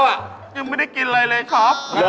ยังไม่ได้กินอะไรเลยครับ